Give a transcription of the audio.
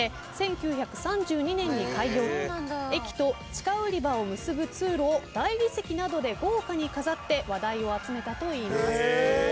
駅と地下売り場を結ぶ通路を大理石などで豪華に飾って話題を集めたといいます。